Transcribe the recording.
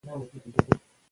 که علم وي نو مال نه وي.